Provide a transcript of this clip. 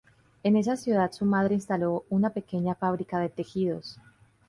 En esa ciudad, su madre instaló una pequeña fábrica de tejidos.